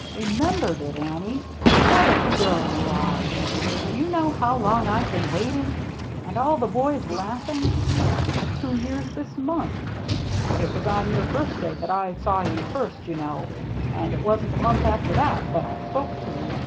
" Remembered it, Annie ! What a girl you are ! Do you know how long I've been wait ing? And all the boys laughing? It's two years this month. It was on your birthday that I saw you first, you know. And it wasn't a month after that that I spoke to you.